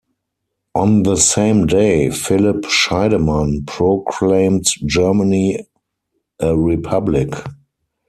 On the same day, Philipp Scheidemann proclaimed Germany a republic.